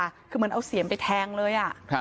คือเหมือนเอาเสียมไปแทงเลย